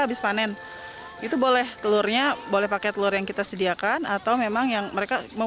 habis panen itu boleh telurnya boleh pakai telur yang kita sediakan atau memang yang mereka mau